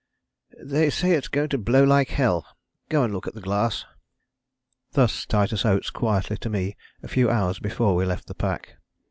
"They say it's going to blow like hell. Go and look at the glass." Thus Titus Oates quietly to me a few hours before we left the pack.